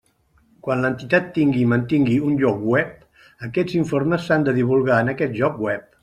Quan l'entitat tingui i mantingui un lloc web, aquests informes s'han de divulgar en aquest lloc web.